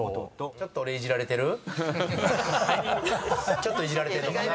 ちょっといじられてんのかなぁ。